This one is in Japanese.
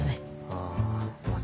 ああまあ